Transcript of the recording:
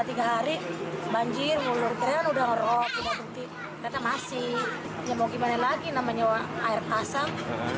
tiga hari banjir ngulur keren udah ngerok ternyata masih ya mau gimana lagi namanya air pasang